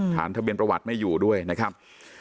ฐานทะเบียนประวัติไม่อยู่ด้วยนะครับ